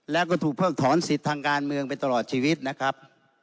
แล้วก็ถูกเพิกถอนสิทธิ์ทางการเมืองไปตลอดชีวิตนะครับ